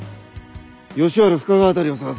吉原深川辺りを探せ。